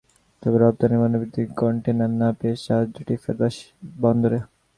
তবে রপ্তানি পণ্যভর্তি কনটেইনার না পেয়ে জাহাজ দুটি ফেরত আসে বন্দরে।